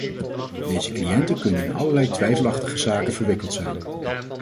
Deze cliënten kunnen in allerlei twijfelachtige zaken verwikkeld zijn.